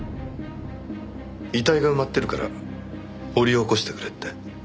遺体が埋まってるから掘り起こしてくれって？